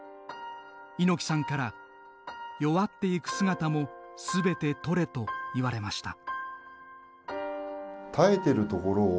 猪木さんから、弱っていく姿もすべて撮れと言われました。